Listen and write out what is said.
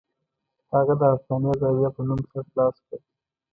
هغه د افغانیه زاویه په نوم سر خلاص کړ.